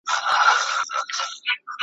که هر څه د حکمت فالونه ګورې افلاطونه! `